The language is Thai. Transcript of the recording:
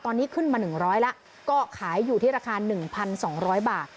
ตอนนี้ขึ้นมา๑๐๐แล้วก็ขายอยู่ที่ราคา๑๒๐๐บาท